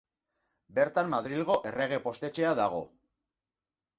Bertan Madrilgo Errege Postetxea dago.